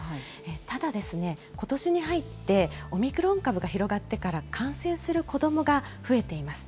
ただ、ことしに入ってオミクロン株が広がってから、感染する子どもが増えています。